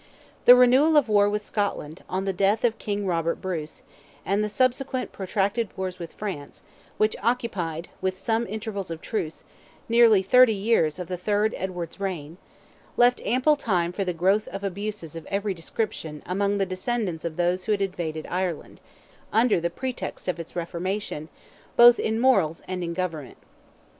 The renewal of war with Scotland, on the death of King Robert Bruce, and the subsequent protracted wars with France, which occupied, with some intervals of truce, nearly thirty years of the third Edward's reign, left ample time for the growth of abuses of every description among the descendants of those who had invaded Ireland, under the pretext of its reformation, both in morals and government.